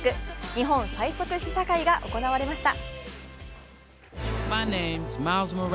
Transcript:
日本最速試写会が行われました。